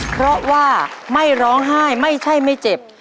เพราะว่าไม่ร้องไห้ไม่ใช่ไม่เจ็บ